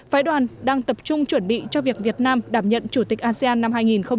phái đoàn đang tập trung chuẩn bị cho việc việt nam đảm nhận chủ tịch asean năm hai nghìn hai mươi